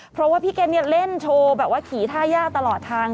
เพราะว่าพี่เก็ตเล่นโชว์แบบว่าขี่ท่าย่าตลอดทาง